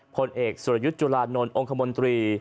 พลเอกสุรยุทธ์จุลานนท์องค์คมนตรี